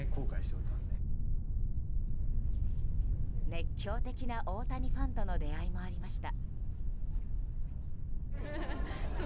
熱狂的な大谷ファンとの出会いもありました。